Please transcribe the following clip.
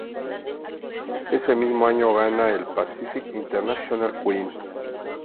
Ese mismo año gana el Pacific International Queen.